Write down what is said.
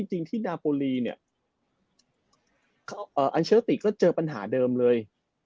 จริงที่นาโปรลีเนี่ยอัลเชอร์ติก็เจอปัญหาเดิมเลย